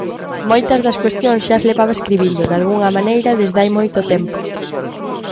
Moitas das cuestións xa as levaba escribindo, dalgunha maneira, desde hai moito tempo.